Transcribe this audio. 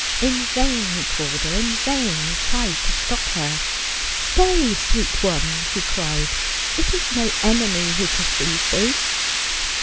In vain he called her, in vain he tried to stop her. " Stay, sweet one," he cried, " it is no enemy who pursues thee.